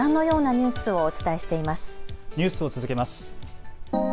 ニュースを続けます。